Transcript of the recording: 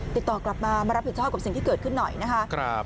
ติดต่อกลับมามารับผิดชอบกับสิ่งที่เกิดขึ้นหน่อยนะคะ